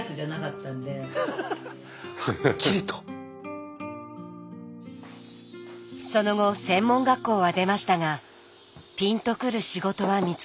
その後専門学校は出ましたがピンとくる仕事は見つかりませんでした。